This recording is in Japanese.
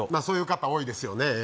そういう方多いですよね